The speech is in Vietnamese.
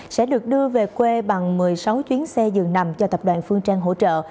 sẽ được đưa về quê bằng một mươi sáu chuyến xe dường nằm do tập đoàn phương trang hỗ trợ